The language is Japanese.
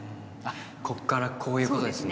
ここからこういうことですね